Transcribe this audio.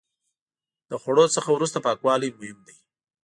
د خوړو څخه وروسته پاکوالی مهم دی.